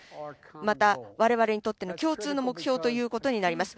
また、我々にとっての共通の目標となります。